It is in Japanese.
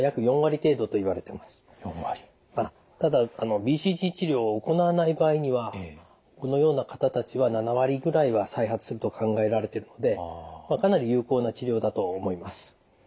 ただＢＣＧ治療を行わない場合にはこのような方たちは７割ぐらいは再発すると考えられてるのでかなり有効な治療だと思います。